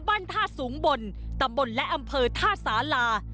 บ้านท่าสูงบนตำบลและอำเภอท่าสารา